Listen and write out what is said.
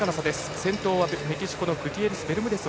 先頭はメキシコのグティエレスベルムデス。